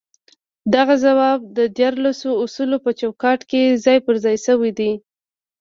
دغه ځواب د ديارلسو اصولو په چوکاټ کې ځای پر ځای شوی دی.